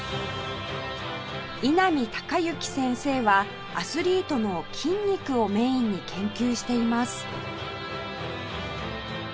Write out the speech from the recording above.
稲見崇孝先生はアスリートの筋肉をメインに研究しています